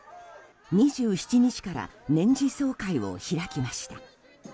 ２７日から年次総会を開きました。